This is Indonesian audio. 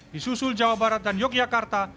di susul jawa barat dan yogyakarta